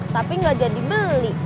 tapi gak jadi beli